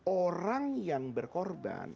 orang yang berkorban